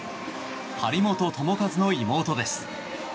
張本智和の妹です。